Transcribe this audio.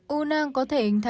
u nang có thể hình thành